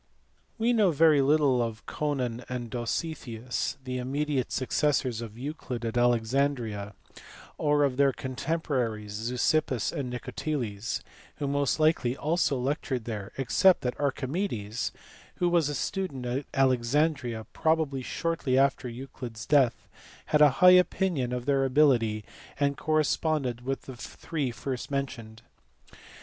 We know very little of Conon and Dositheus, the imme diate successors of Euclid at Alexandria, or of their contem poraries Zeuxippus and Nicoteles, who most likely also lectured there, except that Archimedes, who was a student at Alexandria probably shortly after Euclid s death, had a high opinion of their ability and corresponded with the three first mentioned.